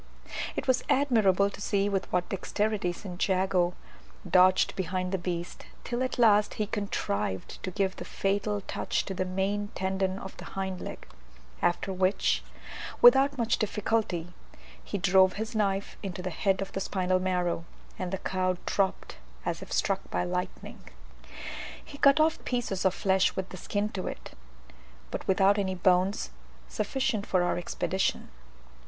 It was admirable to see with what dexterity St. Jago dodged behind the beast, till at last he contrived to give the fatal touch to the main tendon of the hind leg after which, without much difficulty, he drove his knife into the head of the spinal marrow, and the cow dropped as if struck by lightning. He cut off pieces of flesh with the skin to it, but without any bones, sufficient for our expedition.